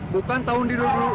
bukan tahun di dulu